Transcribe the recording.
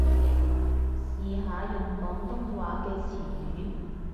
試下用廣東話嘅詞語